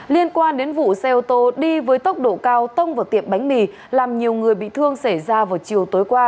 liên quan đến vụ xe ô tô đi với tốc độ cao tông vào tiệm bánh mì làm nhiều người bị thương xảy ra vào chiều tối qua